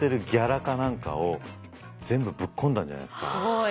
すごい。